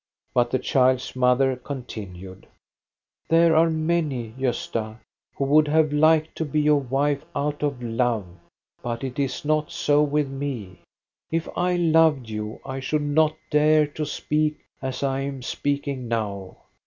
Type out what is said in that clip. But the child's mother continued :—" There are many, Gosta, who would have liked to be your wife out of love ; but it is not so with me. If I loved you I should not dare to speak as I am speak ing now.